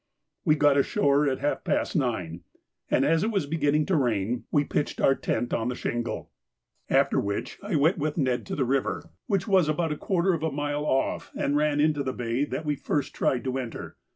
We got ashore at half past nine, and as it was beginning to rain, we pitched our tent on the shingle, after which I went with Ned to the river, which was about a quarter of a mile off and ran into the bay that we had first tried to enter.